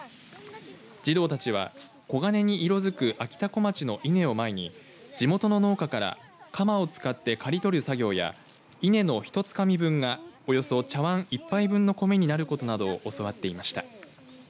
児童たちは黄金に色づくあきたこまちの稲を前に地元の農家から鎌を使って刈り取る作業や稲の一つかみ分がおよそ茶わん１杯分の米になることなどを教わっていました。